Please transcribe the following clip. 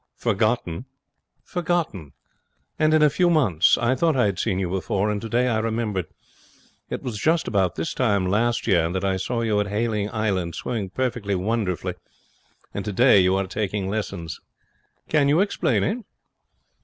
'Forgotten!' 'Forgotten. And in a few months. I thought I had seen you before, and today I remembered. It was just about this time last year that I saw you at Hayling Island swimming perfectly wonderfully, and today you are taking lessons. Can you explain it?'